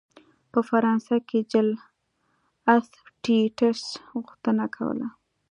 په فرانسه کې جل اسټټس غوښتنه کوله.